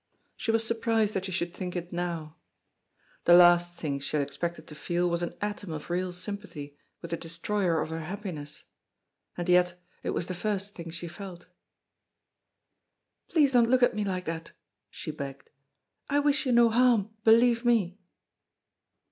She was surprised that she should think it now. The last thing that she had expected to feel was an atom of real sympathy with the destroyer of her happiness. And yet it was the first thing she felt. "Please don't look at me like that," she begged. "I wish you no harm, believe me!"